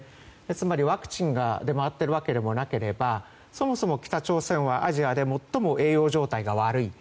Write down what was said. つまり、ワクチンが出回っているわけでもなければそもそも北朝鮮はアジアで最も栄養状態が悪い。